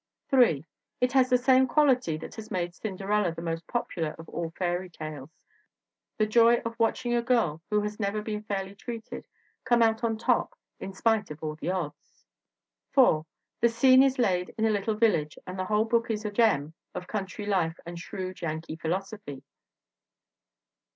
3. It has the same quality that has made Cinder ella the most popular of all fairy tales, the joy of watching a girl who has never been fairly treated come out on top in spite of all odds. 4. The scene is laid in a little village and the whole book is a gem of country life and shrewd Yankee philosophy.